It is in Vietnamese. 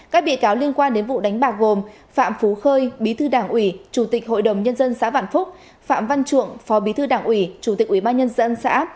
các bịa cáo liên quan đến vụ đánh bạc gồm phạm phú khơi bí thư đảng ủy chủ tịch hội đồng nhân dân xã vạn phúc phạm văn chuộng phó bí thư đảng ủy chủ tịch ủy ban nhân dân xã